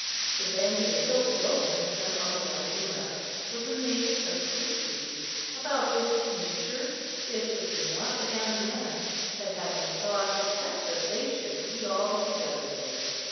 The bank of the hill below him, and on the right and left, was a maze of fruit trees, about which nature, if it were not the hand of man, had had no thought except that they should be all together there.